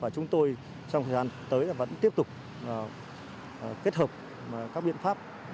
chúng tôi trong thời gian tới vẫn tiếp tục kết hợp các biện pháp